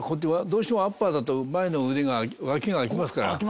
どうしてもアッパーだと前の腕が脇があきますから。